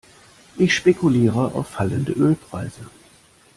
Ich spekuliere auf fallende Ölpreise.